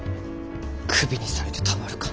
クビにされてたまるか。